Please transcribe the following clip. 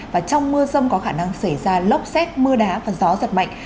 và trong mưa rông có khả năng xảy ra lốc xét mưa đá và gió giật mạnh